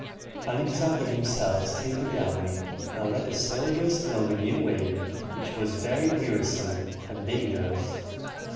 Alexander himself staid with the army, and led the soldiers along a new way, which was very wearisome and dangerous.